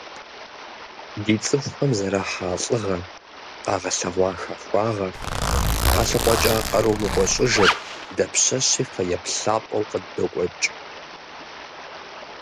Ди цӀыхухэм зэрахьа лӀыгъэр, къагъэлъэгъуа хахуагъэр, къалъыкъуэкӀа къару мыкӀуэщӀыжыр дапщэщи фэеплъ лъапӀэу къыддокӀуэкӀ.